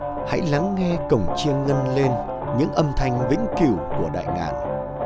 từ trong sâu thẳm hãy lắng nghe cổng chiên ngân lên những âm thanh vĩnh cửu của đại ngàn